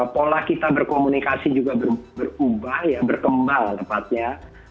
pola kita berkomunikasi juga berubah ya berkembang tepatnya